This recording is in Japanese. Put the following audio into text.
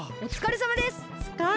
おつかれさまです！